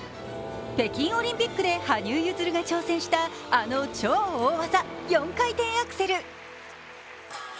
北京オリンピックで羽生結弦が挑戦したあの超大技、４回転アクセル。